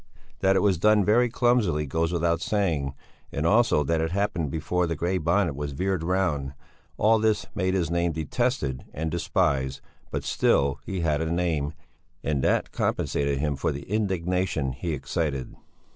That it was done very clumsily goes without saying, and also that it happened before the Grey Bonnet had veered round. All this made his name detested and despised; but still, he had a name, and that compensated him for the indignation he excited.